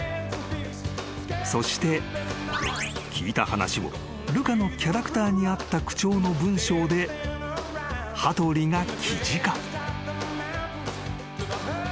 ［そして聞いた話をルカのキャラクターに合った口調の文章で羽鳥が記事化］